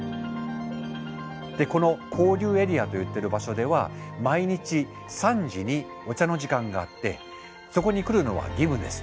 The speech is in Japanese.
でこの交流エリアといっている場所では毎日３時にお茶の時間があってそこに来るのは義務です。